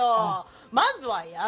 まずはやる！